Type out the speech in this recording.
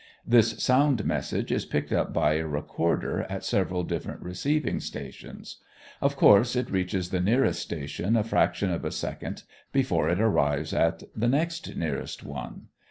This sound message is picked up by a recorder at several different receiving stations. Of course it reaches the nearest station a fraction of a second before it arrives at the next nearest one.